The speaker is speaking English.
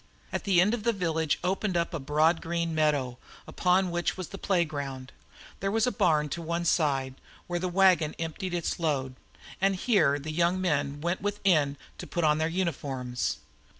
At the end of the village opened up a broad green meadow, upon which was the playground. There was a barn to one side, where the wagon emptied its load; and here the young men went within to put on their uniforms.